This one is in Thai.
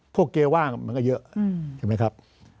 เกียร์ว่างมันก็เยอะใช่ไหมครับ